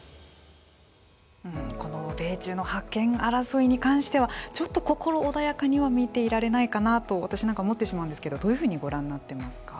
この米中の覇権争いに関してはちょっと心穏やかには見ていられないかなと私なんかは思ってしまうんですけどどういうふうにご覧になっていますか。